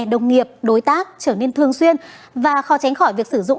đồng nghiệp đối tác trở nên thương xuyên và khó tránh khỏi việc sử dụng